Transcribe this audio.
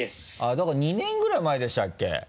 だから２年ぐらい前でしたっけ？